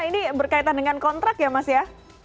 ini berkaitan dengan kontrak ya mas ya